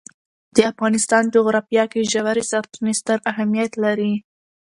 د افغانستان جغرافیه کې ژورې سرچینې ستر اهمیت لري.